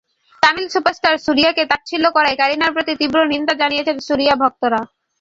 Tamil superstar সুরিয়াকে তাচ্ছিল্য করায় কারিনার প্রতি তীব্র নিন্দা জানিয়েছেন সুরিয়া ভক্তরা।